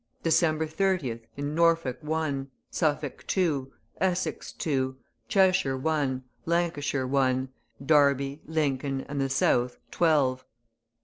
December 30th, in Norfolk one, Suffolk two, Essex two, Cheshire one, Lancashire one, Derby, Lincoln, and the South twelve.